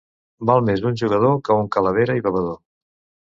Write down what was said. Val més un jugador que un calavera i bevedor.